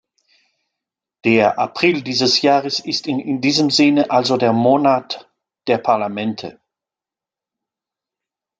Der April dieses Jahres ist in diesem Sinne also der Monat der Parlamente.